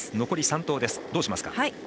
残り３投です、どうしますか？